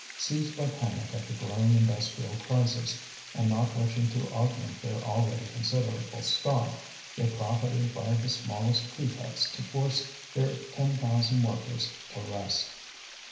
Seized by panic at the growing industrial crisis, and not wishing to augment their already considerable stock, they profited by the smallest pretexts to force their ten thousand workers to rest.